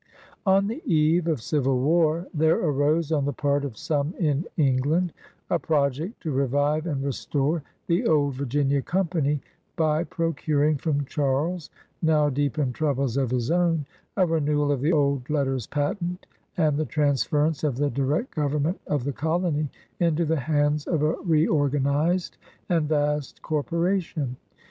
On the eve of civil war there arose on the part of some in England a project to revive and restore the old Virginia Company by procuring from Charles, now deep in troubles of his own, a renewal of the old letters patent and the transference of the direct government of the colony into the hands of a reorganized and vast corporation.